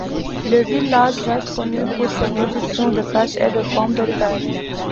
Le village reste connu pour ses productions de pêche et de pommes de terre.